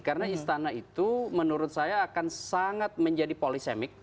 karena istana itu menurut saya akan sangat menjadi polisemik